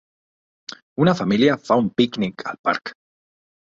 Una família fa un pícnic al parc.